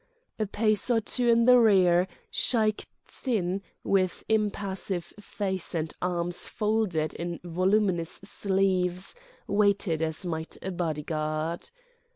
A pace or two in the rear Shaik Tsin, with impassive face and arms folded in voluminous sleeves, waited as might a bodyguard.